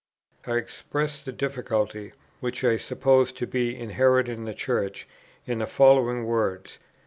I expressed the difficulty, which I supposed to be inherent in the Church, in the following words.